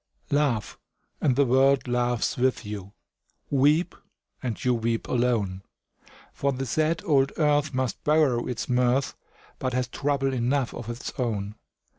Laugh, and the world laughs with you; Weep, and you weep alone; For the sad old earth must borrow its mirth, But has trouble enough of its own.